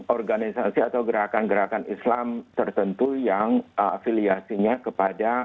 organisasi atau gerakan gerakan islam tertentu yang afiliasinya kepada